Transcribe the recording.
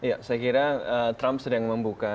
ya saya kira trump sedang membuka